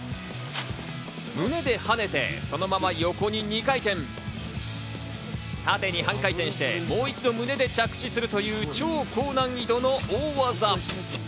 胸で跳ねて、そのまま横に２回、縦に半回転して、もう一度胸で着地するという超高難易度の大技。